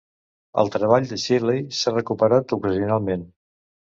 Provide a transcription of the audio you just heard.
El treball de Shirley s'ha recuperat ocasionalment.